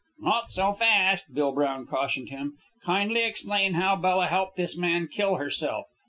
"Not so fast," Bill Brown cautioned him. "Kindly explain how Bella helped this man kill herself.